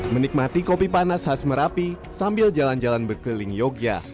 menikmati kopi panas khas merapi sambil jalan jalan berkeliling yogyakarta